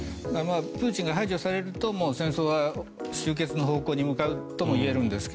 プーチンが排除されると戦争が終結の方向に向かうともいえるんですが